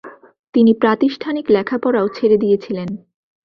তিনি প্রাতিষ্ঠানিক লেখাপড়াও ছেড়ে দিয়েছিলেন।